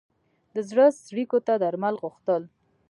د زړه څړیکو ته درمل غوښتل.